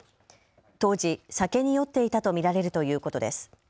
当時、酒に酔っていたと見られるということです。